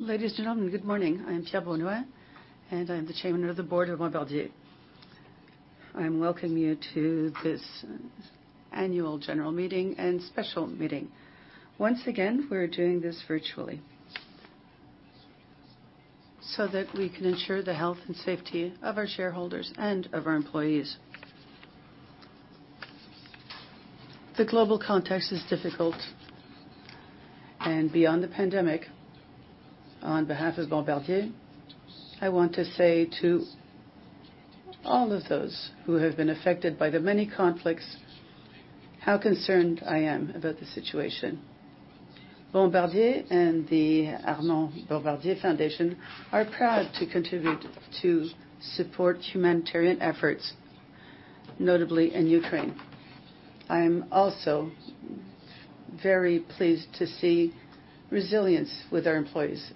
Ladies and gentlemen, good morning. I am Pierre Beaudoin, and I'm the Chairman of the Board of Bombardier. I welcome you to this annual general meeting and special meeting. Once again, we're doing this virtually so that we can ensure the health and safety of our shareholders and of our employees. The global context is difficult and beyond the pandemic, on behalf of Bombardier, I want to say to all of those who have been affected by the many conflicts, how concerned I am about the situation. Bombardier and the J. Armand Bombardier Foundation are proud to contribute to support humanitarian efforts, notably in Ukraine. I am also very pleased to see resilience with our employees.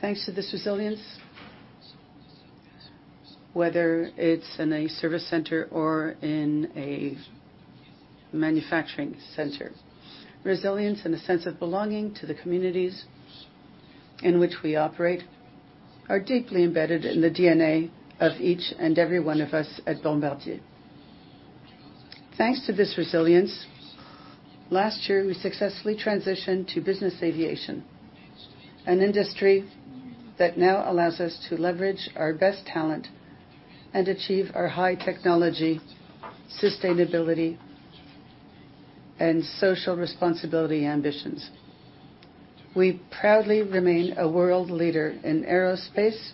Thanks to this resilience, whether it's in a service center or in a manufacturing center, resilience and a sense of belonging to the communities in which we operate are deeply embedded in the DNA of each and every one of us at Bombardier. Thanks to this resilience, last year, we successfully transitioned to business aviation, an industry that now allows us to leverage our best talent and achieve our high technology, sustainability, and social responsibility ambitions. We proudly remain a world leader in aerospace,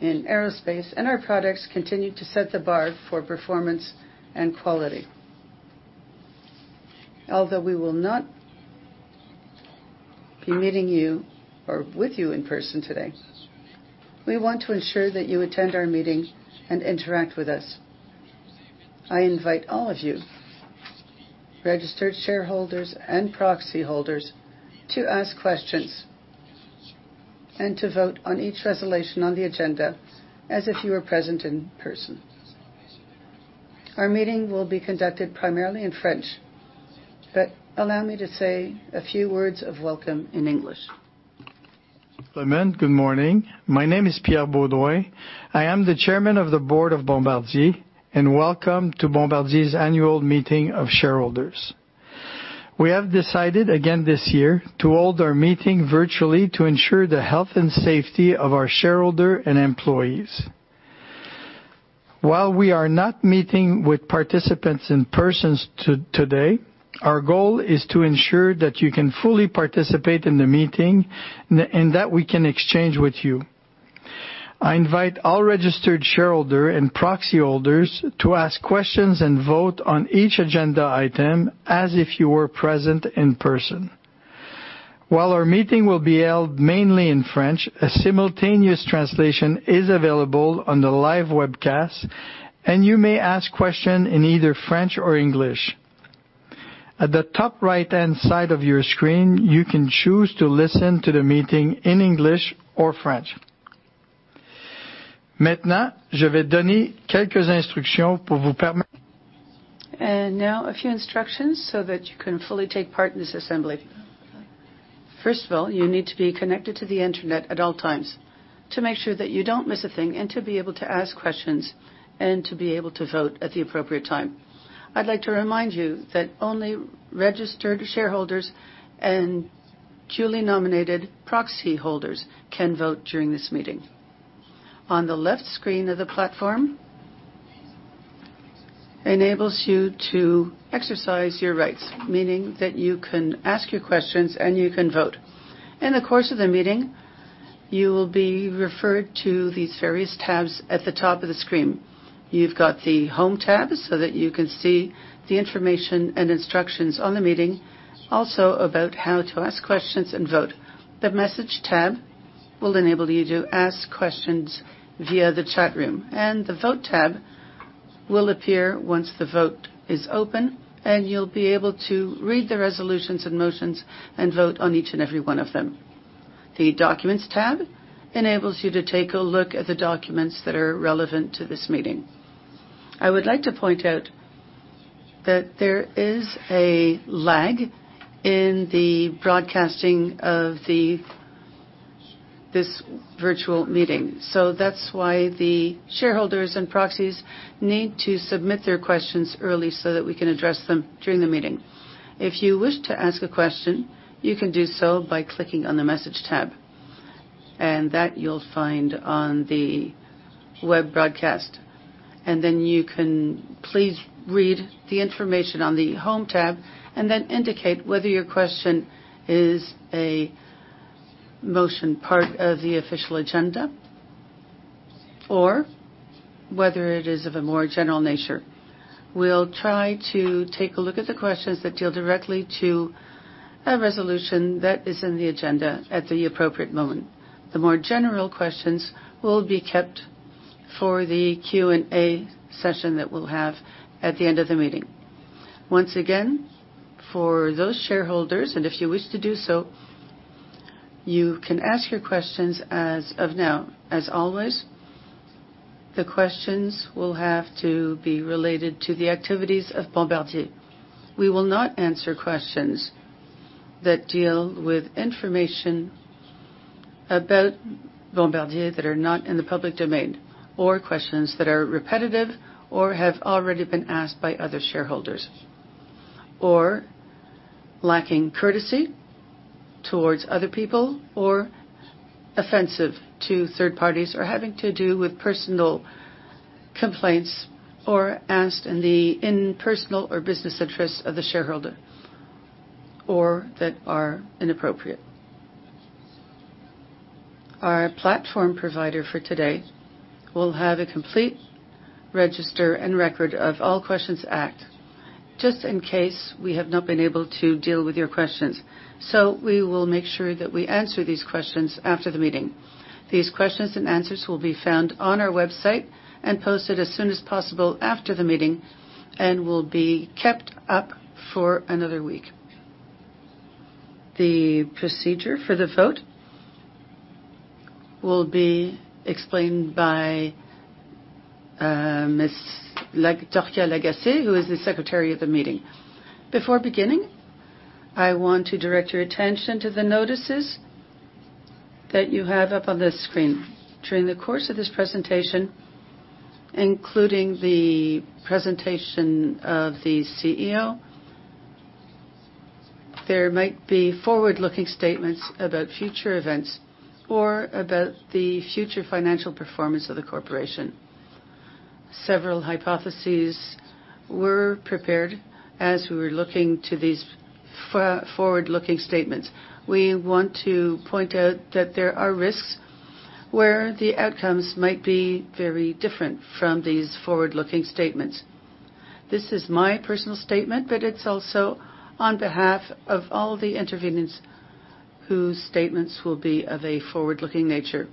and our products continue to set the bar for performance and quality. Although we will not be meeting you or with you in person today, we want to ensure that you attend our meeting and interact with us. I invite all of you, registered shareholders and proxy holders, to ask questions and to vote on each resolution on the agenda as if you were present in person. Our meeting will be conducted primarily in French, but allow me to say a few words of welcome in English. Good morning. My name is Pierre Beaudoin. I am the Chairman of the Board of Bombardier, and welcome to Bombardier's annual meeting of shareholders. We have decided, again this year, to hold our meeting virtually to ensure the health and safety of our shareholders and employees. While we are not meeting with participants in person today, our goal is to ensure that you can fully participate in the meeting and that we can exchange with you. I invite all registered shareholders and proxy holders to ask questions and vote on each agenda item as if you were present in person. While our meeting will be held mainly in French, a simultaneous translation is available on the live webcast, and you may ask questions in either French or English. At the top right-hand side of your screen, you can choose to listen to the meeting in English or French. Now a few instructions so that you can fully take part in this assembly. First of all, you need to be connected to the internet at all times to make sure that you don't miss a thing and to be able to ask questions and to be able to vote at the appropriate time. I'd like to remind you that only registered shareholders and duly nominated proxy holders can vote during this meeting. On the left, the screen of the platform enables you to exercise your rights, meaning that you can ask your questions and you can vote. In the course of the meeting, you will be referred to these various tabs at the top of the screen. You've got the Home tab so that you can see the information and instructions on the meeting, also about how to ask questions and vote. The Message tab will enable you to ask questions via the chat room, and the Vote tab will appear once the vote is open, and you'll be able to read the resolutions and motions and vote on each and every one of them. The Documents tab enables you to take a look at the documents that are relevant to this meeting. I would like to point out that there is a lag in the broadcasting of this virtual meeting. That's why the shareholders and proxies need to submit their questions early so that we can address them during the meeting. If you wish to ask a question, you can do so by clicking on the Message tab, and that you'll find on the web broadcast. Then you can please read the information on the Home tab and then indicate whether your question is a motion part of the official agenda or whether it is of a more general nature. We'll try to take a look at the questions that deal directly to a resolution that is in the agenda at the appropriate moment. The more general questions will be kept for the Q&A session that we'll have at the end of the meeting. Once again, for those shareholders, and if you wish to do so. You can ask your questions as of now. As always, the questions will have to be related to the activities of Bombardier. We will not answer questions that deal with information about Bombardier that are not in the public domain, or questions that are repetitive or have already been asked by other shareholders, or lacking courtesy towards other people or offensive to third parties, or having to do with personal complaints or asked in personal or business interests of the shareholder, or that are inappropriate. Our platform provider for today will have a complete register and record of all questions asked just in case we have not been able to deal with your questions. We will make sure that we answer these questions after the meeting. These questions and answers will be found on our website and posted as soon as possible after the meeting and will be kept up for another week. The procedure for the vote will be explained by Ms. Torkia Lagacé, who is the secretary of the meeting. Before beginning, I want to direct your attention to the notices that you have up on the screen. During the course of this presentation, including the presentation of the CEO, there might be forward-looking statements about future events or about the future financial performance of the corporation. Several hypotheses were prepared as we were looking to these forward-looking statements. We want to point out that there are risks where the outcomes might be very different from these forward-looking statements. This is my personal statement, but it's also on behalf of all the intervenors whose statements will be of a forward-looking nature.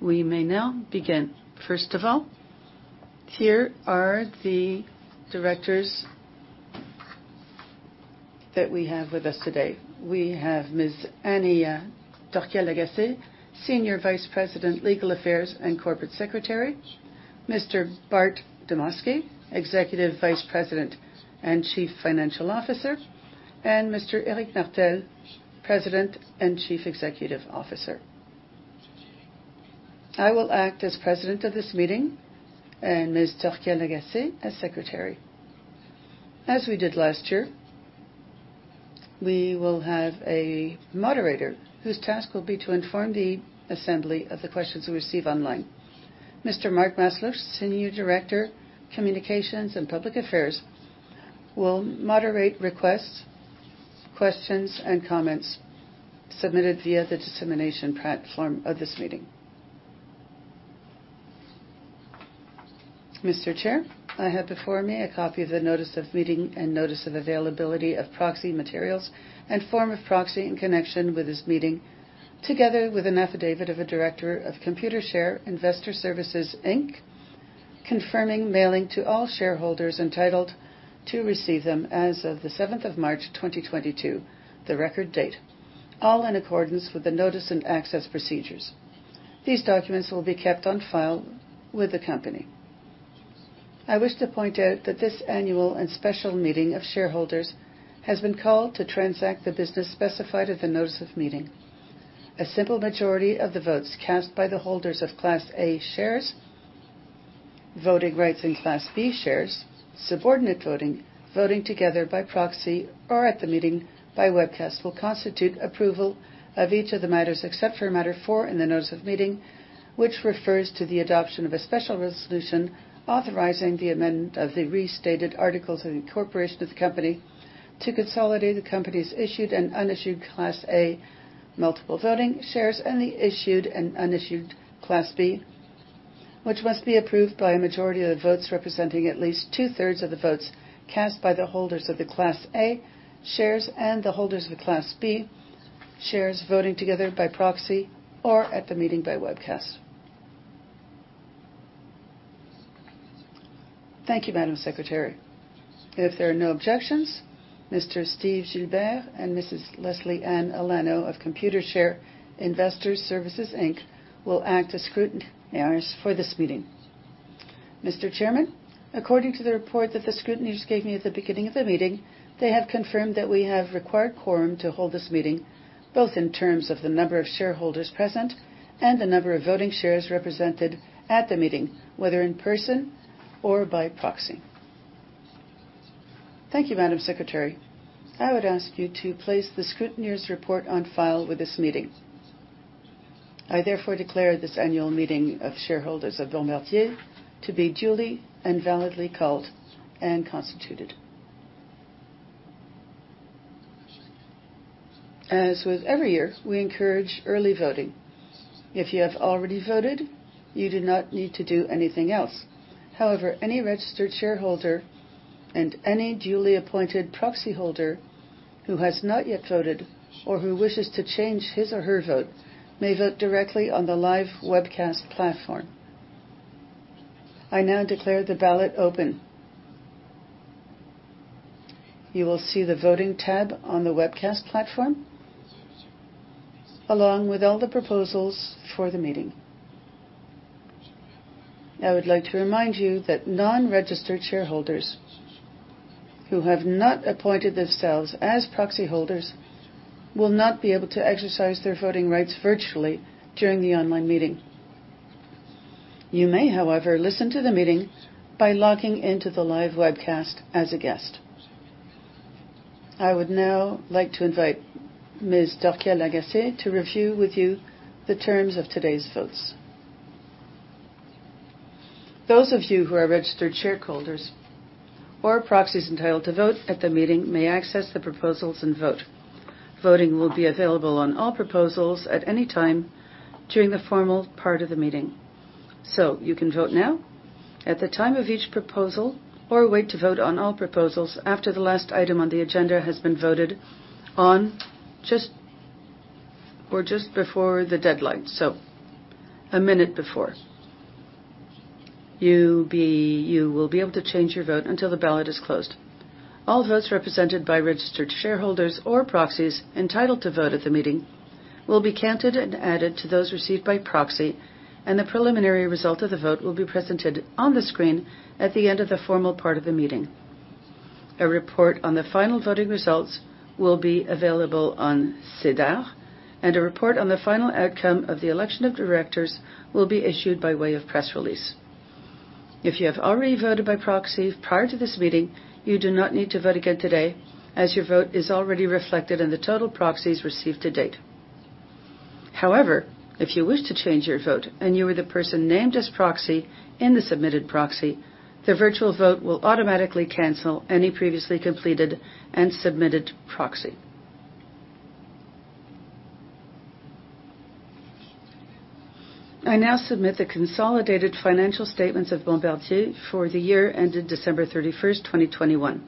We may now begin. First of all, here are the directors that we have with us today. We have Ms. Annie Torkia Lagacé, Senior Vice President, Legal Affairs, and Corporate Secretary. Mr. Bart Demosky, Executive Vice President and Chief Financial Officer. Mr. Éric Martel, President and Chief Executive Officer. I will act as president of this meeting and Ms. Torkia Lagacé as secretary. As we did last year, we will have a moderator whose task will be to inform the assembly of the questions we receive online. Mr. Mark Masluch, Senior Director, Communications and Public Affairs, will moderate requests, questions, and comments submitted via the dissemination platform of this meeting. Mr. Chair, I have before me a copy of the notice of meeting and notice of availability of proxy materials and form of proxy in connection with this meeting, together with an affidavit of a director of Computershare Investor Services Inc., confirming mailing to all shareholders entitled to receive them as of the seventh of March 2022, the record date, all in accordance with the notice and access procedures. These documents will be kept on file with the company. I wish to point out that this annual and special meeting of shareholders has been called to transact the business specified at the notice of meeting. A simple majority of the votes cast by the holders of Class A shares, voting rights in Class B shares, subordinate voting together by proxy or at the meeting by webcast, will constitute approval of each of the matters except for matter four in the notice of meeting, which refers to the adoption of a special resolution authorizing the amendment of the restated articles of incorporation of the company to consolidate the company's issued and unissued Class A multiple voting shares and the issued and unissued Class B, which must be approved by a majority of the votes representing at least two-thirds of the votes cast by the holders of the Class A shares and the holders of the Class B shares voting together by proxy or at the meeting by webcast. Thank you, Madam Secretary. If there are no objections, Mr. Steve Gilbert and Mrs. Leslie Ann Elleno of Computershare Investor Services Inc. will act as scrutineers for this meeting. Mr. Chairman, according to the report that the scrutineers gave me at the beginning of the meeting, they have confirmed that we have required quorum to hold this meeting, both in terms of the number of shareholders present and the number of voting shares represented at the meeting, whether in person or by proxy. Thank you, Madam Secretary. I would ask you to place the scrutineer's report on file with this meeting. I therefore declare this annual meeting of shareholders of Bombardier to be duly and validly called and constituted. As with every year, we encourage early voting. If you have already voted, you do not need to do anything else. However, any registered shareholder and any duly appointed proxy holder who has not yet voted or who wishes to change his or her vote may vote directly on the live webcast platform. I now declare the ballot open. You will see the Voting tab on the webcast platform along with all the proposals for the meeting. I would like to remind you that non-registered shareholders who have not appointed themselves as proxy holders will not be able to exercise their voting rights virtually during the online meeting. You may, however, listen to the meeting by logging into the live webcast as a guest. I would now like to invite Ms. Annie Torkia Lagacé to review with you the terms of today's votes. Those of you who are registered shareholders or proxies entitled to vote at the meeting may access the proposals and vote. Voting will be available on all proposals at any time during the formal part of the meeting. You can vote now at the time of each proposal or wait to vote on all proposals after the last item on the agenda has been voted on just before the deadline, so a minute before. You will be able to change your vote until the ballot is closed. All votes represented by registered shareholders or proxies entitled to vote at the meeting will be counted and added to those received by proxy, and the preliminary result of the vote will be presented on the screen at the end of the formal part of the meeting. A report on the final voting results will be available on SEDAR, and a report on the final outcome of the election of directors will be issued by way of press release. If you have already voted by proxy prior to this meeting, you do not need to vote again today as your vote is already reflected in the total proxies received to date. However, if you wish to change your vote and you were the person named as proxy in the submitted proxy, the virtual vote will automatically cancel any previously completed and submitted proxy. I now submit the consolidated financial statements of Bombardier for the year ended December 31, 2021,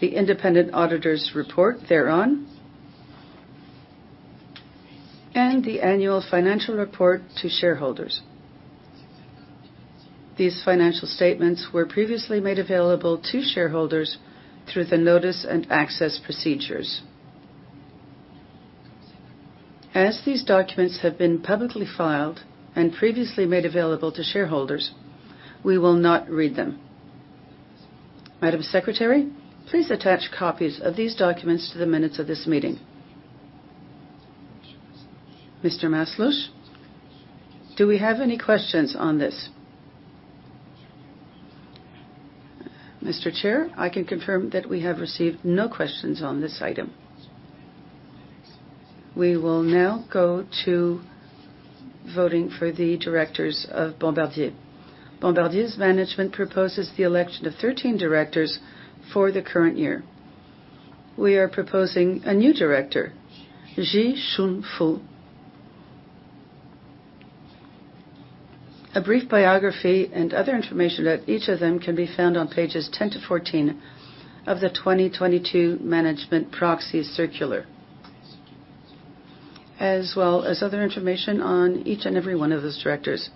the independent auditor's report thereon, and the annual financial report to shareholders. These financial statements were previously made available to shareholders through the notice and access procedures. As these documents have been publicly filed and previously made available to shareholders, we will not read them. Madam Secretary, please attach copies of these documents to the minutes of this meeting. Mr. Maslach, do we have any questions on this? Mr. Chair, I can confirm that we have received no questions on this item. We will now go to voting for the directors of Bombardier. Bombardier's management proposes the election of 13 directors for the current year. We are proposing a new director, Ji-Xun Foo. A brief biography and other information about each of them can be found on pages 10-14 of the 2022 management proxy circular, as well as other information on each and every one of those directors.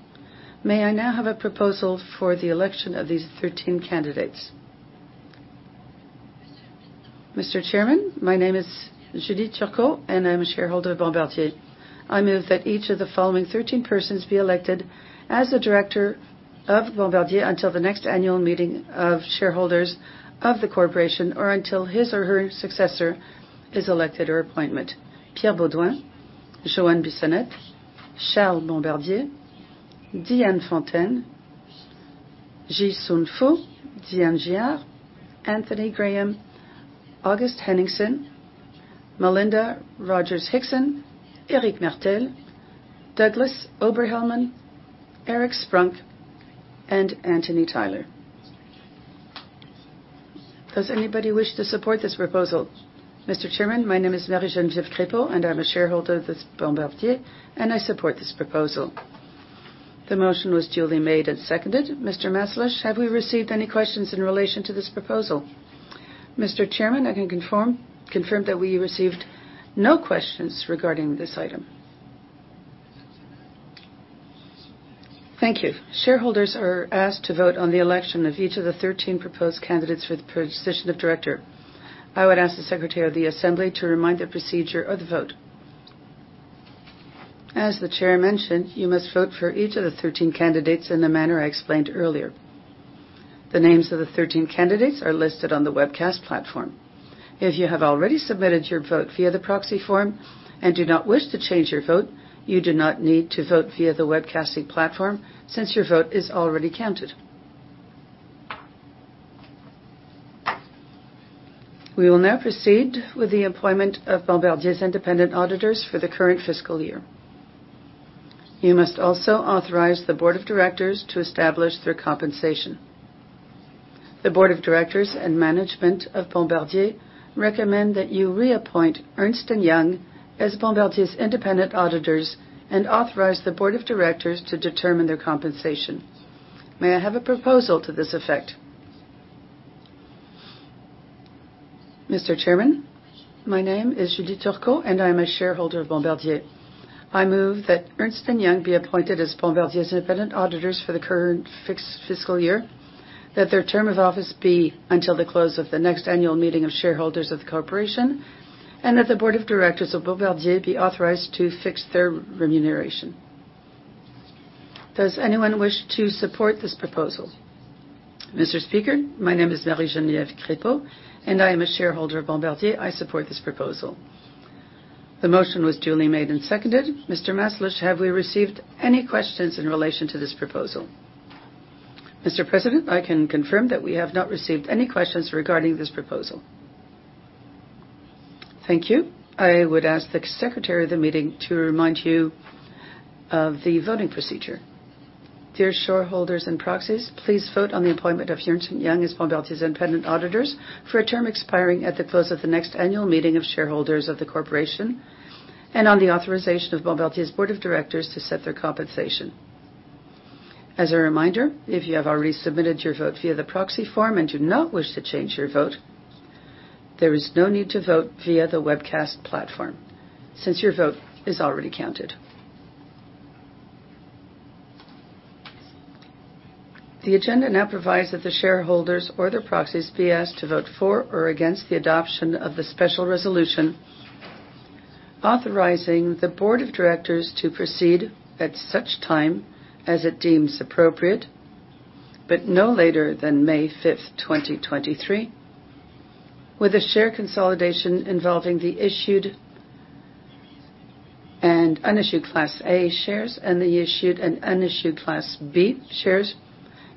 May I now have a proposal for the election of these 13 candidates? Mr. Chairman, my name is Julie Turcotte, and I'm a shareholder of Bombardier. I move that each of the following 13 persons be elected as a director of Bombardier until the next annual meeting of shareholders of the corporation or until his or her successor is elected or appointment. Pierre Beaudoin, Joanne Bissonnette, Charles Bombardier, Diane Fontaine, Ji-Xun Foo, Diane Giard, Anthony Graham, August Henningsen, Melinda Rogers-Hixon, Éric Martel, Douglas Oberhelman, Eric Sprunk, and Antony Tyler. Does anybody wish to support this proposal? Mr. Chairman, my name is Marie-Geneviève Crépeau, and I'm a shareholder of this Bombardier, and I support this proposal. The motion was duly made and seconded. Mr. Maslach, have we received any questions in relation to this proposal? Mr. Chairman, I can confirm that we received no questions regarding this item. Thank you. Shareholders are asked to vote on the election of each of the 13 proposed candidates for the position of director. I would ask the Secretary of the Assembly to remind the procedure of the vote. As the chair mentioned, you must vote for each of the 13 candidates in the manner I explained earlier. The names of the 13 candidates are listed on the webcast platform. If you have already submitted your vote via the proxy form and do not wish to change your vote, you do not need to vote via the webcasting platform since your vote is already counted. We will now proceed with the appointment of Bombardier's independent auditors for the current fiscal year. You must also authorize the board of directors to establish their compensation. The board of directors and management of Bombardier recommend that you reappoint Ernst & Young as Bombardier's independent auditors and authorize the board of directors to determine their compensation. May I have a proposal to this effect? Mr. Chairman? My name is Julie Turcotte, and I am a shareholder of Bombardier. I move that Ernst & Young be appointed as Bombardier's independent auditors for the current fiscal year, that their term of office be until the close of the next annual meeting of shareholders of the corporation, and that the Board of Directors of Bombardier be authorized to fix their remuneration. Does anyone wish to support this proposal? Mr. Speaker, my name is Marie-Geneviève Crépeau, and I am a shareholder of Bombardier. I support this proposal. The motion was duly made and seconded. Mr. Maslach, have we received any questions in relation to this proposal? Mr. President, I can confirm that we have not received any questions regarding this proposal. Thank you. I would ask the Secretary of the meeting to remind you of the voting procedure. Dear shareholders and proxies, please vote on the appointment of Ernst & Young as Bombardier's independent auditors for a term expiring at the close of the next annual meeting of shareholders of the corporation and on the authorization of Bombardier's board of directors to set their compensation. As a reminder, if you have already submitted your vote via the proxy form and do not wish to change your vote, there is no need to vote via the webcast platform since your vote is already counted. The agenda now provides that the shareholders or their proxies be asked to vote for or against the adoption of the special resolution, authorizing the board of directors to proceed at such time as it deems appropriate, but no later than May 5, 2023, with a share consolidation involving the issued and unissued Class A shares and the issued and unissued Class B shares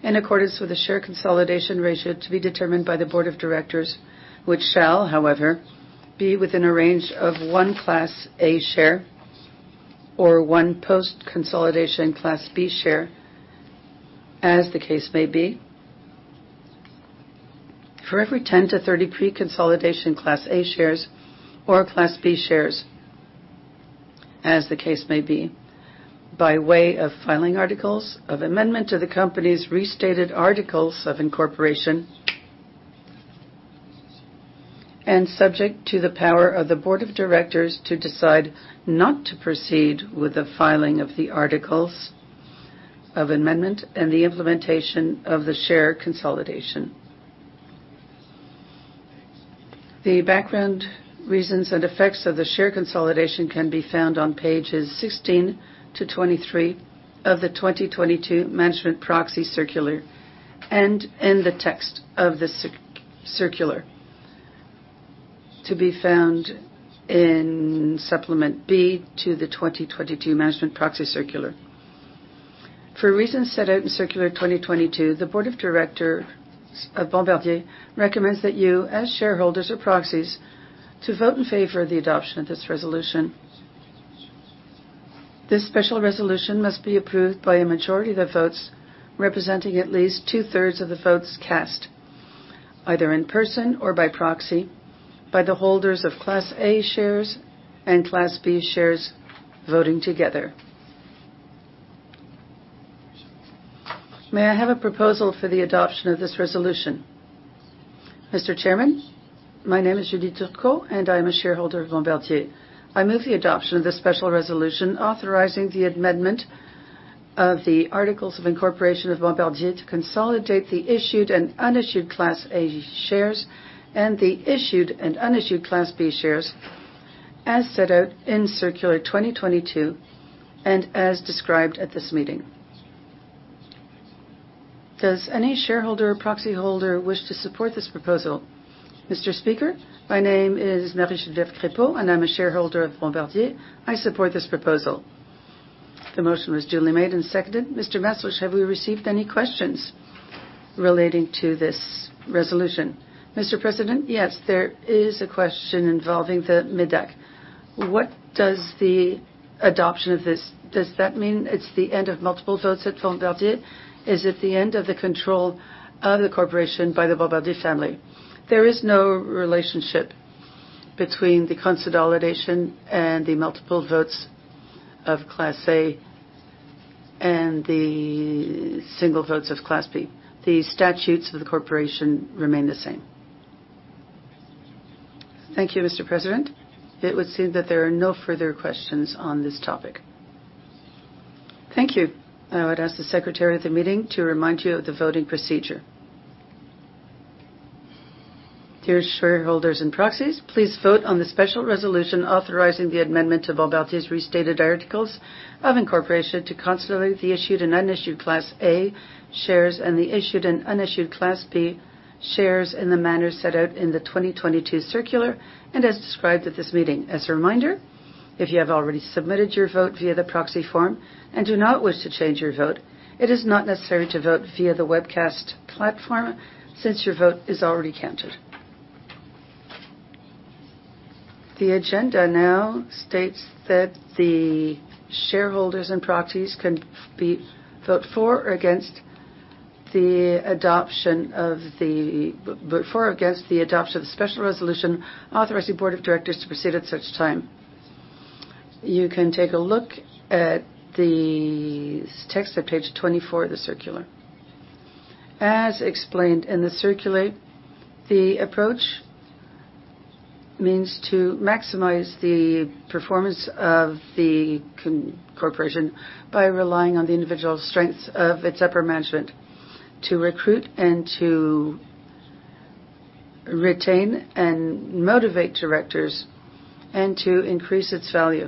in accordance with the share consolidation ratio to be determined by the board of directors, which shall, however, be within a range of one Class A share or one post-consolidation Class B share as the case may be. For every 10-30 pre-consolidation Class A shares or Class B shares, as the case may be, by way of filing articles of amendment to the company's restated articles of incorporation and subject to the power of the board of directors to decide not to proceed with the filing of the articles of amendment and the implementation of the share consolidation. The background reasons and effects of the share consolidation can be found on pages 16-23 of the 2022 management proxy circular and in the text of the circular to be found in Supplement B to the 2022 management proxy circular. For reasons set out in Circular 2022, the Board of Directors of Bombardier recommends that you, as shareholders or proxies, to vote in favor of the adoption of this resolution. This special resolution must be approved by a majority of the votes representing at least two-thirds of the votes cast, either in person or by proxy, by the holders of Class A shares and Class B shares voting together. May I have a proposal for the adoption of this resolution? Mr. Chairman, my name is Julie Turcotte, and I am a shareholder of Bombardier. I move the adoption of this special resolution authorizing the amendment of the articles of incorporation of Bombardier to consolidate the issued and unissued Class A shares and the issued and unissued Class B shares as set out in Circular 2022 and as described at this meeting. Does any shareholder or proxyholder wish to support this proposal? Mr. Speaker, my name is Marie-Geneviève Crépeau, and I'm a shareholder of Bombardier. I support this proposal. The motion was duly made and seconded. Mr. Masluch, have we received any questions relating to this resolution? Mr. President, yes, there is a question involving the MÉDAC. What does the adoption of this mean? Does that mean it's the end of multiple votes at Bombardier? Is it the end of the control of the corporation by the Bombardier family? There is no relationship between the consolidation and the multiple votes of Class A and the single votes of Class B. The statutes of the corporation remain the same. Thank you, Mr. President. It would seem that there are no further questions on this topic. Thank you. I would ask the secretary of the meeting to remind you of the voting procedure. Dear shareholders and proxies, please vote on the special resolution authorizing the amendment to Bombardier's restated articles of incorporation to consolidate the issued and unissued Class A shares and the issued and unissued Class B shares in the manner set out in the 2022 circular and as described at this meeting. As a reminder, if you have already submitted your vote via the proxy form and do not wish to change your vote, it is not necessary to vote via the webcast platform since your vote is already counted. The agenda now states that the shareholders and proxies can vote for or against the adoption of the special resolution authorizing board of directors to proceed at such time. You can take a look at the text at page 24 of the circular. As explained in the circular, the approach means to maximize the performance of the corporation by relying on the individual strengths of its upper management to recruit and to retain and motivate directors and to increase its value.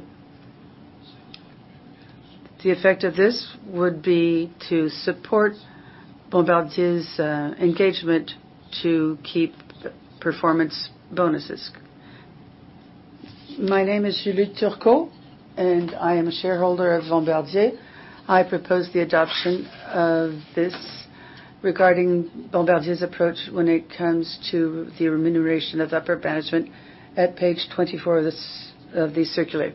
The effect of this would be to support Bombardier's engagement to keep performance bonuses. My name is Julie Turcotte, and I am a shareholder of Bombardier. I propose the adoption of this regarding Bombardier's approach when it comes to the remuneration of upper management at page 24 of the circular.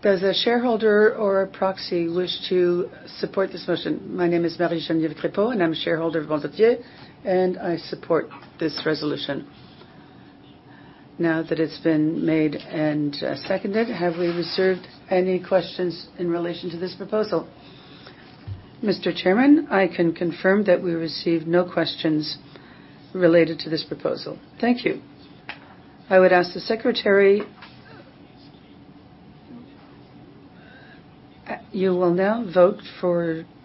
Does a shareholder or a proxy wish to support this motion? My name is Marie-Genevieve Crépeau, and I'm a shareholder of Bombardier, and I support this resolution. Now that it's been made and seconded, have we received any questions in relation to this proposal? Mr. Chairman, I can confirm that we received no questions related to this proposal. Thank you. I would ask the secretary. You will now vote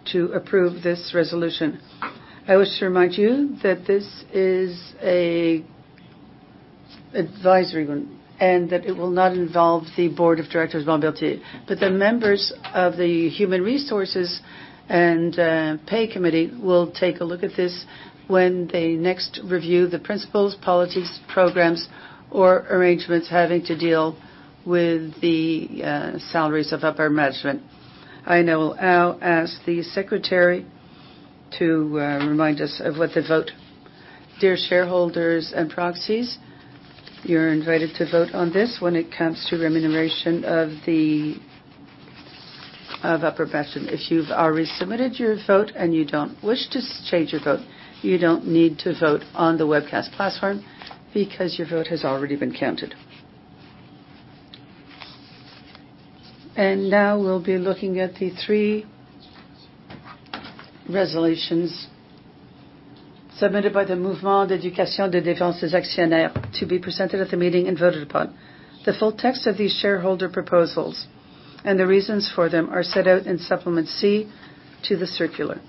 to approve this resolution. I wish to remind you that this is an advisory one and that it will not involve the board of directors of Bombardier. The members of the Human Resources and Pay Committee will take a look at this when they next review the principles, policies, programs, or arrangements having to deal with the salaries of upper management. I now will ask the secretary to remind us of what to vote. Dear shareholders and proxies, you're invited to vote on this when it comes to remuneration of the upper management. If you've already submitted your vote and you don't wish to change your vote, you don't need to vote on the webcast platform because your vote has already been counted. Now we'll be looking at the three resolutions submitted by the Mouvement d'éducation et de défense des actionnaires to be presented at the meeting and voted upon. The full text of these shareholder proposals and the reasons for them are set out in Supplement C to the circular.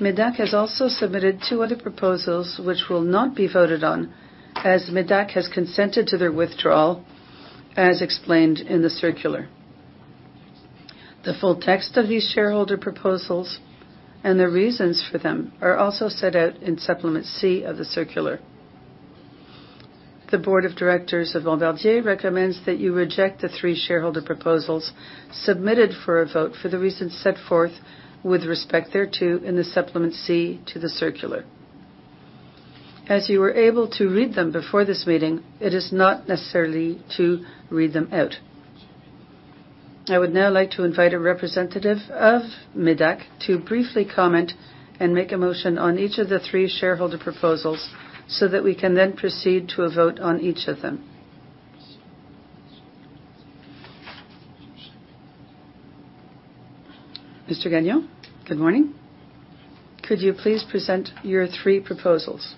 MEDAC has also submitted two other proposals which will not be voted on as MEDAC has consented to their withdrawal, as explained in the circular. The full text of these shareholder proposals and the reasons for them are also set out in Supplement C of the circular. The Board of Directors of Bombardier recommends that you reject the three shareholder proposals submitted for a vote for the reasons set forth with respect thereto in the Supplement C to the circular. As you were able to read them before this meeting, it is not necessary to read them out. I would now like to invite a representative of MÉDAC to briefly comment and make a motion on each of the three shareholder proposals so that we can then proceed to a vote on each of them. Mr. Gagnon, good morning. Could you please present your three proposals?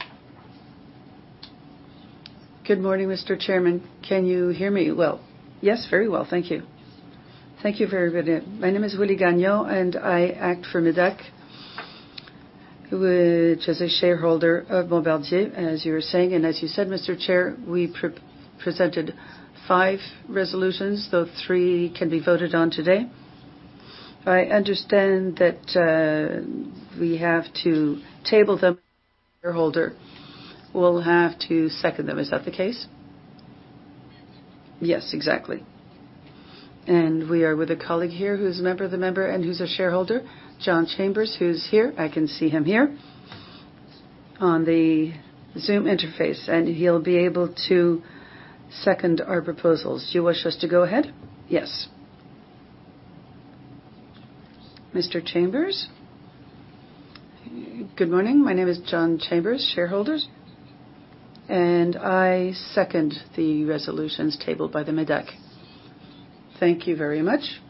Good morning, Mr. Chairman. Can you hear me well? Yes, very well. Thank you. Thank you very good. My name is Willy Gagnon, and I act for MÉDAC, which is a shareholder of Bombardier, as you were saying. As you said, Mr. Chair, we previously presented five resolutions, though three can be voted on today. I understand that, we have to table them, shareholder will have to second them. Is that the case? Yes, exactly. We are with a colleague here who's a member of MÉDAC and who's a shareholder, John Chambers, who's here. I can see him here on the Zoom interface, and he'll be able to second our proposals. Do you wish us to go ahead? Yes. Mr. Chambers. Good morning. My name is John Chambers, shareholder, and I second the resolutions tabled by the MÉDAC. Thank you very much.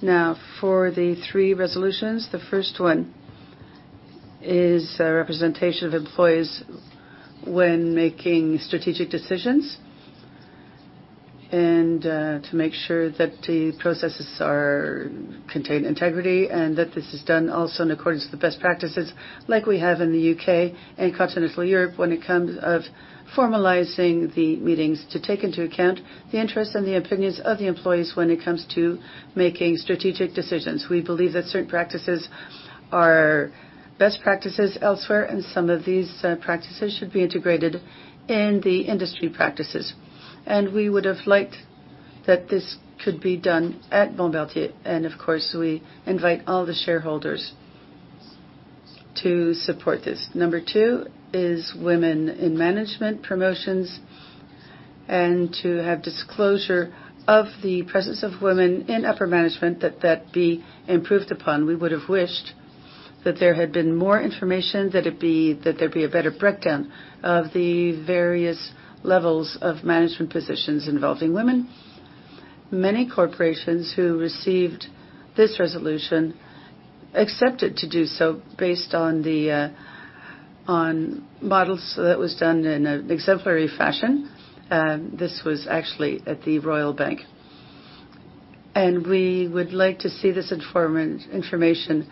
Now for the three resolutions. The first one is representation of employees when making strategic decisions and to make sure that the processes contain integrity and that this is done also in accordance with the best practices like we have in the U.K and Continental Europe when it comes to formalizing the meetings to take into account the interests and the opinions of the employees when it comes to making strategic decisions. We believe that certain practices are best practices elsewhere, and some of these practices should be integrated in the industry practices. We would have liked that this could be done at Bombardier. Of course, we invite all the shareholders to support this. Number two is women in management promotions and to have disclosure of the presence of women in upper management that be improved upon. We would have wished that there had been more information, that there'd be a better breakdown of the various levels of management positions involving women. Many corporations who received this resolution accepted to do so based on the on models so that was done in an exemplary fashion. This was actually at the Royal Bank of Canada. We would like to see this information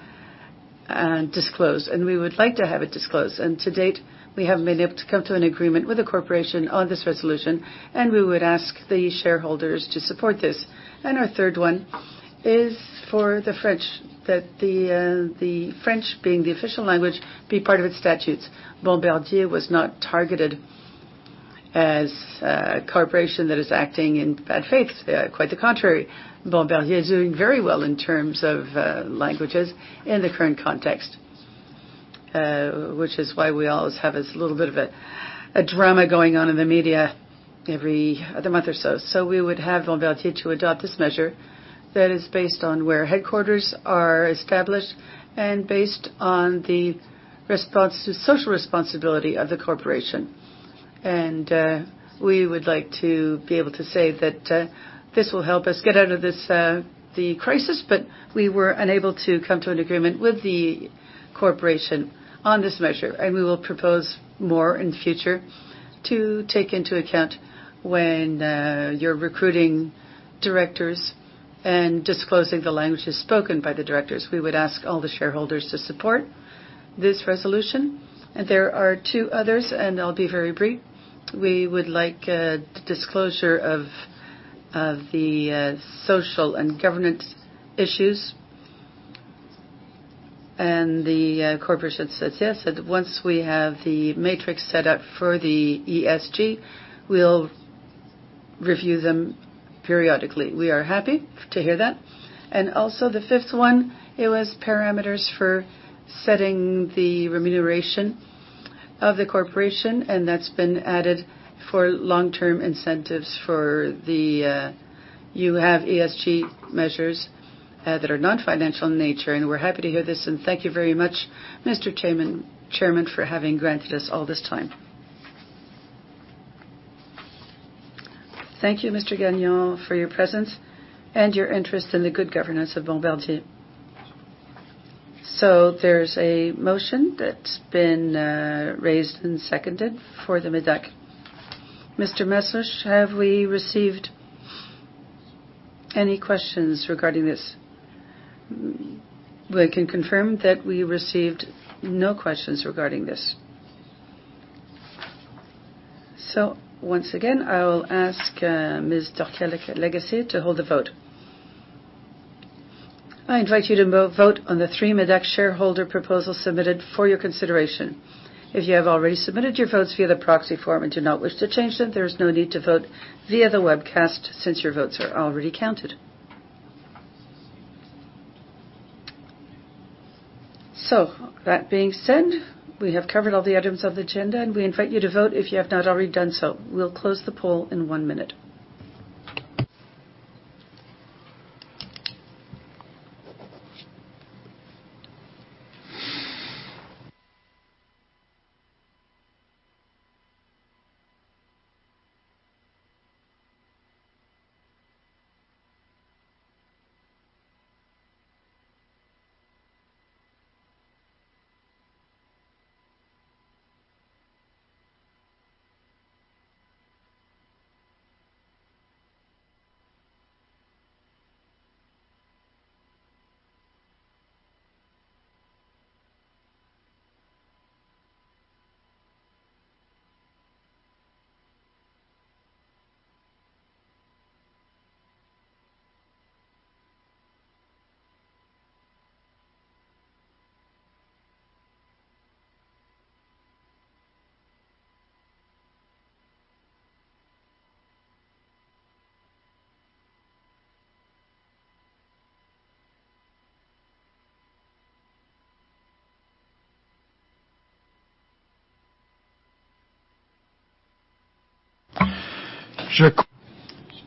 disclosed, and we would like to have it disclosed. To date, we have been able to come to an agreement with the corporation on this resolution, and we would ask the shareholders to support this. Our third one is for the French, that the French, being the official language, be part of its statutes. Bombardier was not targeted as a corporation that is acting in bad faith. Quite the contrary, Bombardier is doing very well in terms of languages in the current context, which is why we always have this little bit of a drama going on in the media every other month or so. We would have Bombardier to adopt this measure that is based on where headquarters are established and based on the response to social responsibility of the corporation. We would like to be able to say that this will help us get out of this, the crisis, but we were unable to come to an agreement with the corporation on this measure. We will propose more in future to take into account when you're recruiting directors and disclosing the languages spoken by the directors. We would ask all the shareholders to support this resolution. There are two others, and I'll be very brief. We would like disclosure of the social and governance issues. The corporation says, yes, and once we have the matrix set up for the ESG, we'll review them periodically. We are happy to hear that. Also the fifth one, it was parameters for setting the remuneration of the corporation, and that's been added for long-term incentives for the, you have ESG measures, that are non-financial in nature, and we're happy to hear this. Thank you very much, Mr. Chairman, for having granted us all this time. Thank you, Mr. Gagnon, for your presence and your interest in the good governance of Bombardier. There's a motion that's been raised and seconded for the MÉDAC. Mr. Masluch, have we received any questions regarding this? We can confirm that we received no questions regarding this. Once again, I will ask Ms. Annie Torkia Lagacé to hold the vote. I invite you to vote on the three MÉDAC shareholder proposals submitted for your consideration. If you have already submitted your votes via the proxy form and do not wish to change them, there is no need to vote via the webcast since your votes are already counted. That being said, we have covered all the items of the agenda, and we invite you to vote if you have not already done so. We'll close the poll in one minute.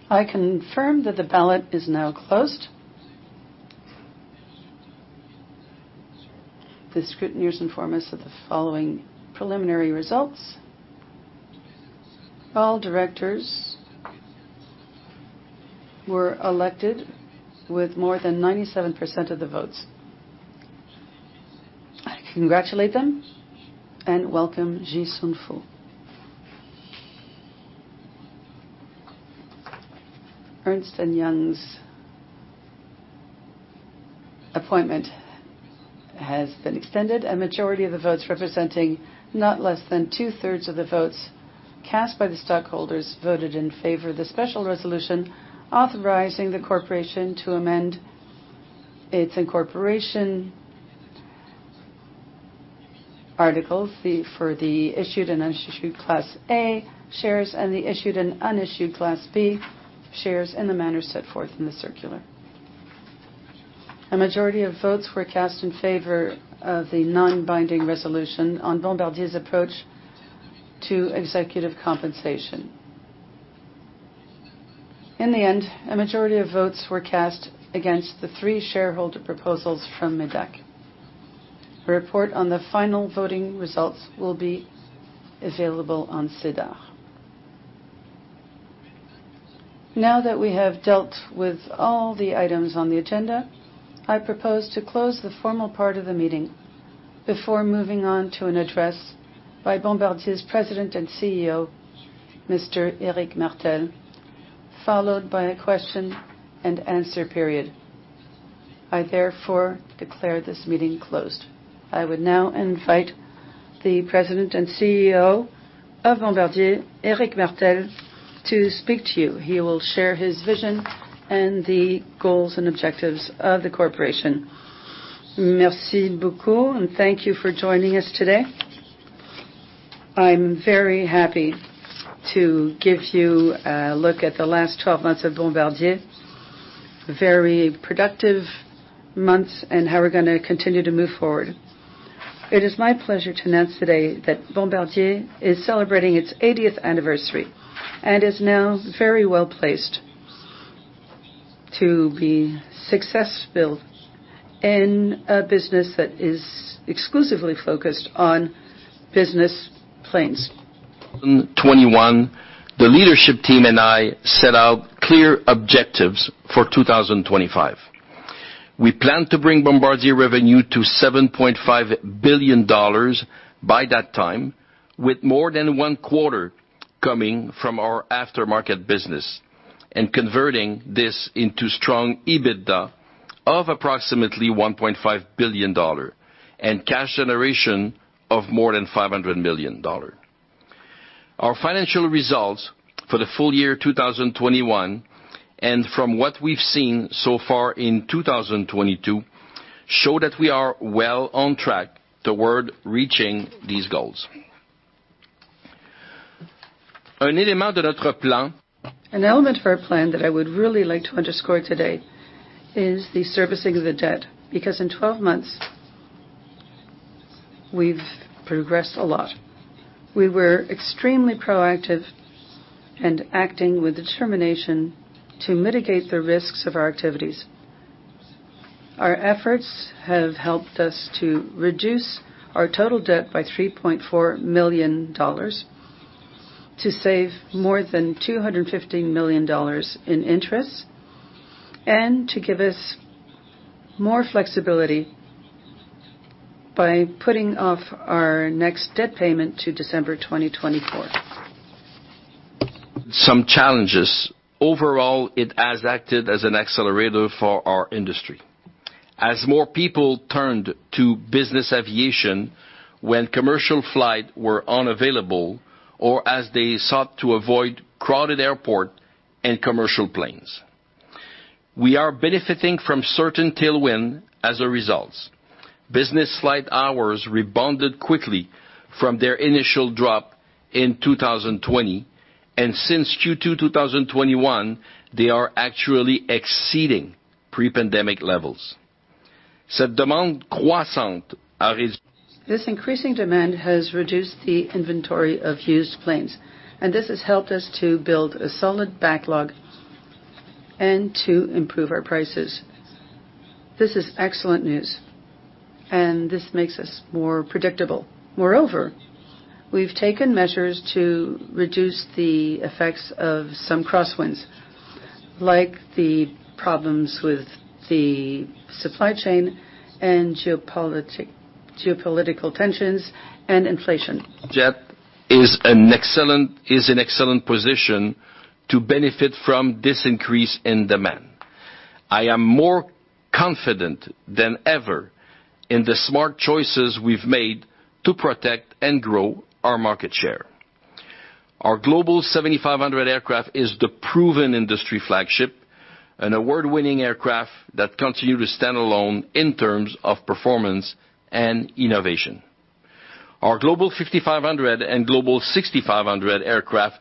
I confirm that the ballot is now closed. The scrutineers inform us of the following preliminary results. All directors were elected with more than 97% of the votes. I congratulate them and welcome Ji-Xun Foo. Ernst & Young's appointment has been extended. A majority of the votes representing not less than two-thirds of the votes cast by the stockholders voted in favor of the special resolution authorizing the corporation to amend its incorporation articles for the issued and unissued Class A shares and the issued and unissued Class B shares in the manner set forth in the circular. A majority of votes were cast in favor of the non-binding resolution on Bombardier's approach to executive compensation. In the end, a majority of votes were cast against the three shareholder proposals from MÉDAC. A report on the final voting results will be available on SEDAR. Now that we have dealt with all the items on the agenda, I propose to close the formal part of the meeting before moving on to an address by Bombardier's President and CEO, Mr. Éric Martel, followed by a question and answer period. I therefore declare this meeting closed. I would now invite the President and CEO of Bombardier, Éric Martel, to speak to you. He will share his vision and the goals and objectives of the corporation. Merci beaucoup, and thank you for joining us today. I'm very happy to give you a look at the last 12 months of Bombardier, very productive months, and how we're going to continue to move forward. It is my pleasure to announce today that Bombardier is celebrating its 80th anniversary and is now very well-placed to be successful in a business that is exclusively focused on business planes. In 2021, the leadership team and I set out clear objectives for 2025. We plan to bring Bombardier revenue to $7.5 billion by that time, with more than one quarter coming from our aftermarket business and converting this into strong EBITDA of approximately $1.5 billion and cash generation of more than $500 million. Our financial results for the full year 2021, and from what we've seen so far in 2022, show that we are well on track toward reaching these goals. An element of our plan that I would really like to underscore today is the servicing of the debt, because in 12 months we've progressed a lot. We were extremely proactive and acting with determination to mitigate the risks of our activities. Our efforts have helped us to reduce our total debt by $3.4 million, to save more than $215 million in interest, and to give us more flexibility by putting off our next debt payment to December 2024. Some challenges. Overall, it has acted as an accelerator for our industry. As more people turned to business aviation when commercial flights were unavailable or as they sought to avoid crowded airports and commercial planes. We are benefiting from certain tailwinds as a result. Business flight hours rebounded quickly from their initial drop in 2020, and since Q2 2021, they are actually exceeding pre-pandemic levels. This increasing demand has reduced the inventory of used planes, and this has helped us to build a solid backlog and to improve our prices. This is excellent news, and this makes us more predictable. Moreover, we've taken measures to reduce the effects of some crosswinds, like the problems with the supply chain and geopolitical tensions and inflation. Jet is in excellent position to benefit from this increase in demand. I am more confident than ever in the smart choices we've made to protect and grow our market share. Our Global 7500 aircraft is the proven industry flagship, an award-winning aircraft that continue to stand alone in terms of performance and innovation. Our Global 5500 and Global 6500 aircraft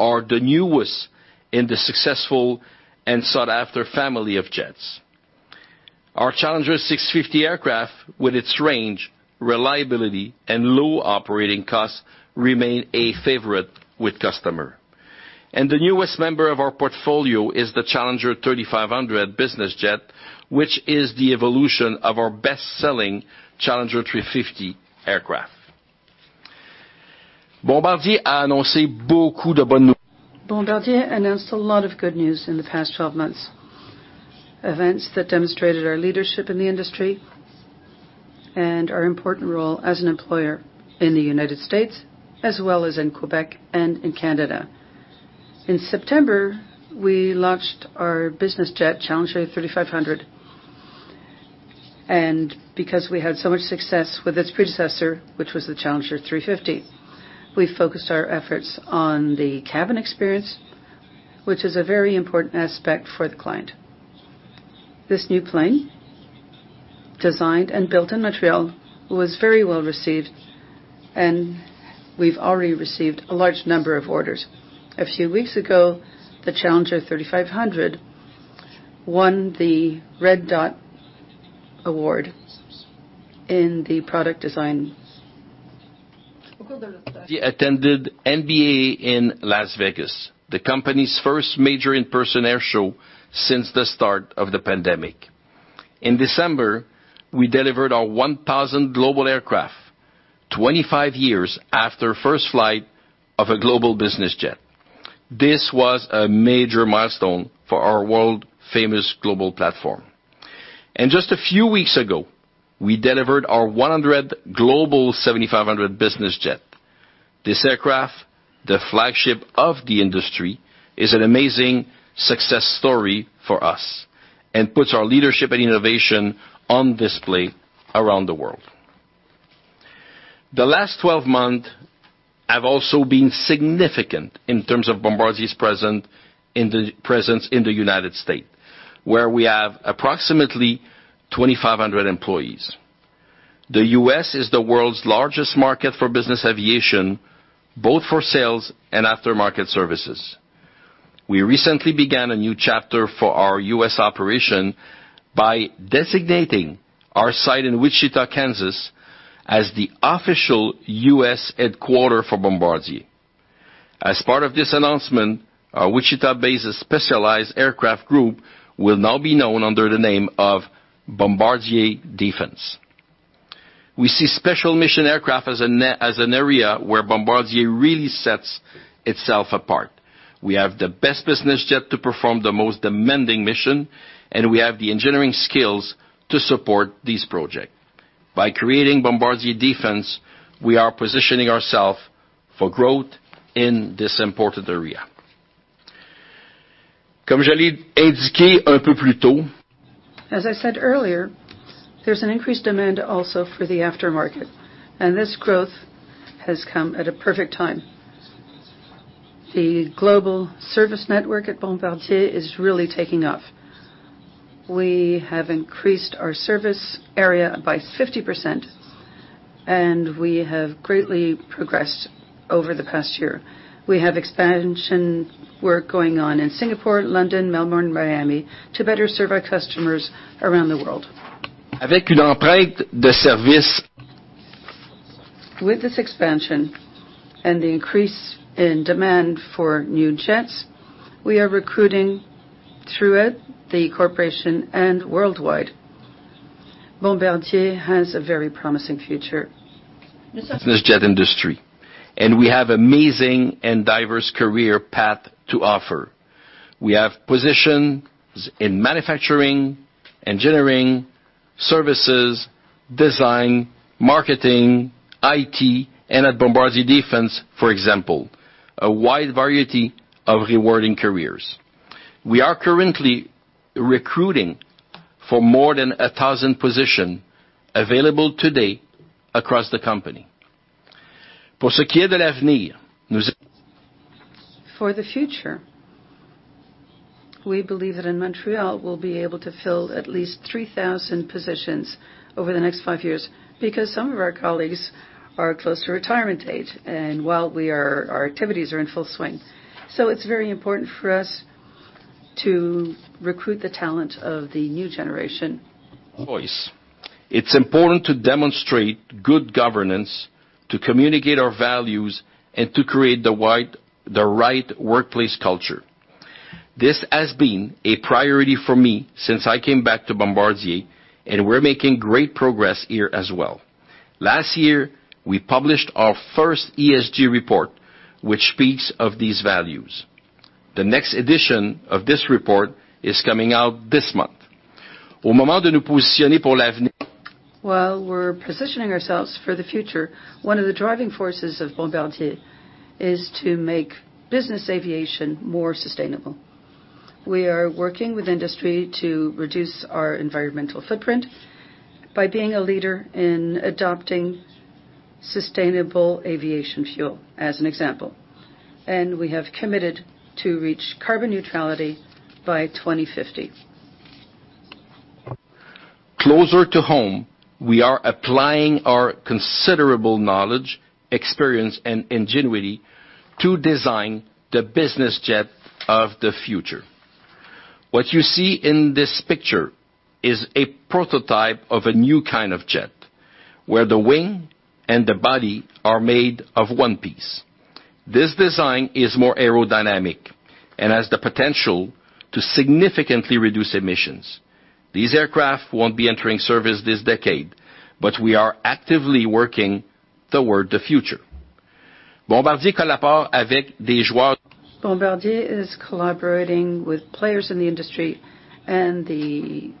are the newest in the successful and sought-after family of jets. Our Challenger 650 aircraft with its range, reliability and low operating costs remain a favorite with customer. The newest member of our portfolio is the Challenger 3500 business jet, which is the evolution of our best-selling Challenger 350 aircraft. Bombardier announced a lot of good news in the past 12 months, events that demonstrated our leadership in the industry and our important role as an employer in the United States, as well as in Quebec and in Canada. In September, we launched our business jet, Challenger 3500. Because we had so much success with its predecessor, which was the Challenger 350, we focused our efforts on the cabin experience, which is a very important aspect for the client. This new plane, designed and built in Montreal, was very well received and we've already received a large number of orders. A few weeks ago, the Challenger 3500 won the Red Dot Award in the product design category. We attended NBAA in Las Vegas, the company's first major in-person air show since the start of the pandemic. In December, we delivered our 1,000th Global aircraft, 25 years after first flight of a Global business jet. This was a major milestone for our world-famous Global platform. Just a few weeks ago, we delivered our 100th Global 7500 business jet. This aircraft, the flagship of the industry, is an amazing success story for us and puts our leadership and innovation on display around the world. The last 12 months have also been significant in terms of Bombardier's presence in the United States, where we have approximately 2,500 employees. The U.S. is the world's largest market for business aviation, both for sales and aftermarket services. We recently began a new chapter for our U.S. operation by designating our site in Wichita, Kansas, as the official U.S. headquarters for Bombardier. As part of this announcement, our Wichita-based specialized aircraft group will now be known under the name of Bombardier Defense. We see special mission aircraft as an area where Bombardier really sets itself apart. We have the best business jet to perform the most demanding mission, and we have the engineering skills to support these projects. By creating Bombardier Defense, we are positioning ourselves for growth in this important area. As I said earlier, there's an increased demand also for the aftermarket, and this growth has come at a perfect time. The global service network at Bombardier is really taking off. We have increased our service area by 50%, and we have greatly progressed over the past year. We have expansion work going on in Singapore, London, Melbourne, and Miami to better serve our customers around the world. With this expansion and the increase in demand for new jets, we are recruiting throughout the corporation and worldwide. Bombardier has a very promising future. Business jet industry, we have amazing and diverse career path to offer. We have positions in manufacturing, engineering, services, design, marketing, IT, and at Bombardier Defense, for example, a wide variety of rewarding careers. We are currently recruiting for more than 1,000 positions available today across the company. For the future, we believe that in Montreal, we'll be able to fill at least 3,000 positions over the next five years because some of our colleagues are close to retirement age, our activities are in full swing. It's very important for us to recruit the talent of the new generation. It's important to demonstrate good governance, to communicate our values, and to create the right workplace culture. This has been a priority for me since I came back to Bombardier, and we're making great progress here as well. Last year, we published our first ESG report, which speaks of these values. The next edition of this report is coming out this month. While we're positioning ourselves for the future, one of the driving forces of Bombardier is to make business aviation more sustainable. We are working with industry to reduce our environmental footprint by being a leader in adopting sustainable aviation fuel, as an example. We have committed to reach carbon neutrality by 2050. Closer to home, we are applying our considerable knowledge, experience, and ingenuity to design the business jet of the future. What you see in this picture is a prototype of a new kind of jet, where the wing and the body are made of one piece. This design is more aerodynamic and has the potential to significantly reduce emissions. These aircraft won't be entering service this decade, but we are actively working toward the future. Bombardier is collaborating with players in the industry and the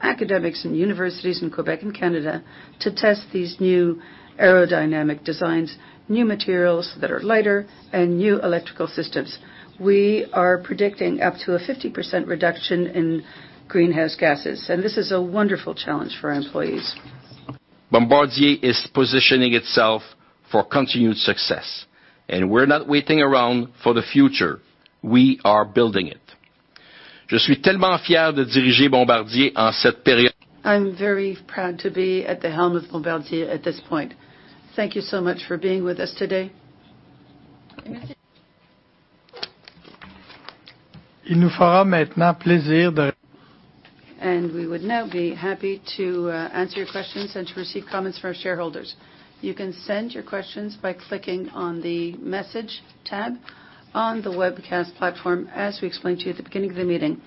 academics and universities in Quebec and Canada to test these new aerodynamic designs, new materials that are lighter, and new electrical systems. We are predicting up to a 50% reduction in greenhouse gases, and this is a wonderful challenge for our employees. Bombardier is positioning itself for continued success, and we're not waiting around for the future. We are building it. I'm very proud to be at the helm of Bombardier at this point. Thank you so much for being with us today. We would now be happy to answer your questions and to receive comments from our shareholders. You can send your questions by clicking on the Message tab on the webcast platform as we explained to you at the beginning of the meeting.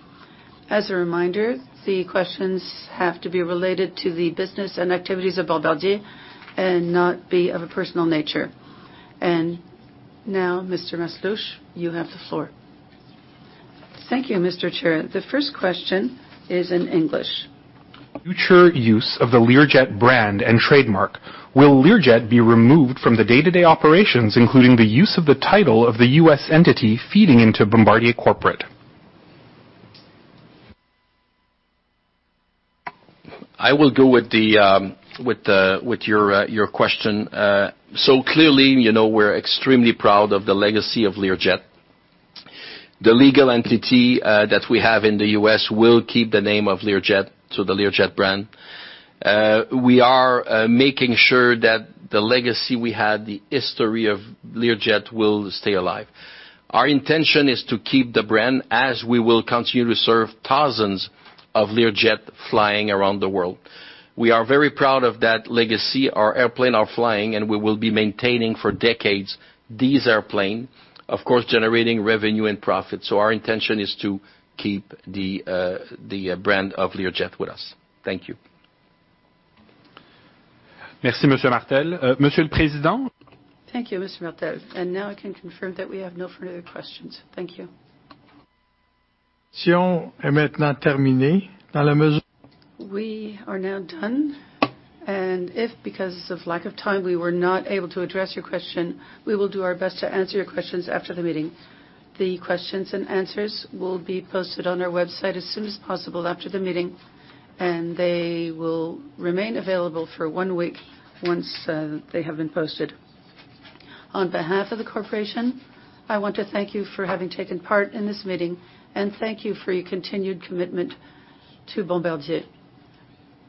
As a reminder, the questions have to be related to the business and activities of Bombardier and not be of a personal nature. Now, Mr. Masluch, you have the floor. Thank you, Mr. Chair. The first question is in English. Future use of the Learjet brand and trademark, will Learjet be removed from the day-to-day operations, including the use of the title of the U.S. entity feeding into Bombardier corporate? I will go with your question. Clearly, you know, we're extremely proud of the legacy of Learjet. The legal entity that we have in the U.S. will keep the name of Learjet, so the Learjet brand. We are making sure that the legacy we had, the history of Learjet will stay alive. Our intention is to keep the brand as we will continue to serve thousands of Learjet flying around the world. We are very proud of that legacy. Our airplane are flying, and we will be maintaining for decades these airplane, of course, generating revenue and profit. Our intention is to keep the brand of Learjet with us. Thank you. Thank you, Mr. Martel. Now I can confirm that we have no further questions. Thank you. We are now done, and if because of lack of time, we were not able to address your question, we will do our best to answer your questions after the meeting. The questions and answers will be posted on our website as soon as possible after the meeting, and they will remain available for one week once they have been posted. On behalf of the corporation, I want to thank you for having taken part in this meeting, and thank you for your continued commitment to Bombardier.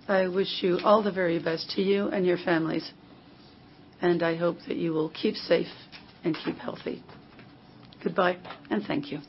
I wish you all the very best to you and your families, and I hope that you will keep safe and keep healthy. Goodbye, and thank you.